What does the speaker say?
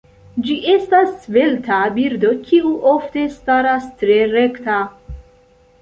Ĝi estas svelta birdo kiu ofte staras tre rekta.